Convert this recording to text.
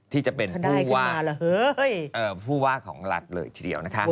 ที่จะเป็นผู้ว่าผู้ว่าของรัฐเลยทีเดียวนะคะ